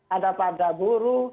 ada pada buru